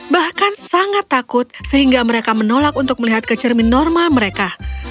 bahkan sangat takut sehingga mereka menolak untuk melihat ke cermin normal mereka